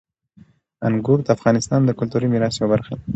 انګور د افغانستان د کلتوري میراث یوه برخه ده.